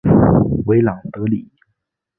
维朗德里。